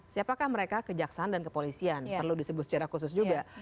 siapakah mereka kejaksaan dan kepolisian perlu disebut secara khusus juga